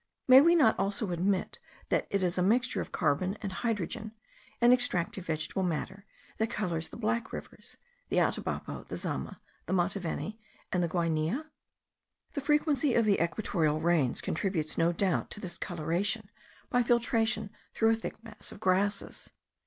May we not also admit, that it is a mixture of carbon and hydrogen, an extractive vegetable matter, that colours the black rivers, the Atabapo, the Zama, the Mataveni, and the Guainia? The frequency of the equatorial rains contributes no doubt to this coloration by filtration through a thick mass of grasses.